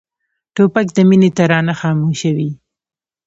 توپک د مینې ترانه خاموشوي.